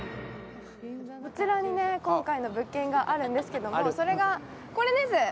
こちらに今回の物件があるんですけど、それがこれです。